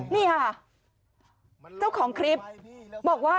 นี่ค่ะเจ้าของคลิปบอกว่า